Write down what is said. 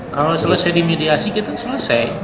kalau selesai di mediasi kita selesai